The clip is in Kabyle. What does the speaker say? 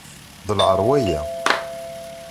D lɛaṛ waya.